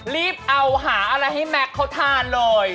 รีบเอาหาอะไรให้แม็กซ์เขาทานเลย